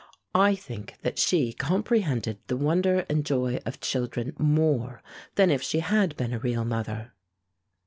I think that she comprehended the wonder and joy of children more than if she had been a real mother.